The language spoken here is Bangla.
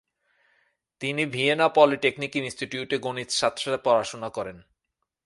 তিনি ভিয়েনা পলিটেকনিক ইনস্টিটিউটে গণিতশাস্ত্রে পড়াশোনা করেন।